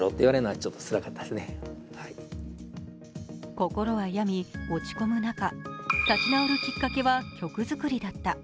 心は病み、落ち込む中立ち直るきっかけは曲作りだった。